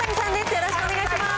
よろしくお願いします。